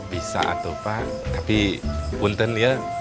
bisa atau pak tapi punten ya